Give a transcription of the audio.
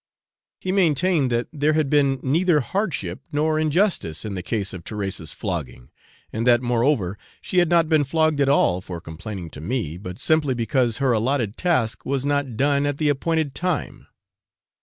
He maintained that there had been neither hardship nor injustice in the case of Teresa's flogging; and that, moreover, she had not been flogged at all for complaining to me, but simply because her allotted task was not done at the appointed time.